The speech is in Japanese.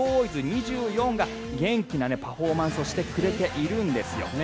２４が元気なパフォーマンスをしてくれているんですよね。